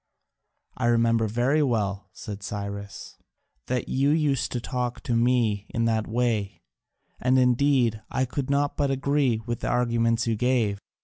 "I remember very well," said Cyrus, "that you used to talk to me in that way: and indeed I could not but agree with the arguments you gave.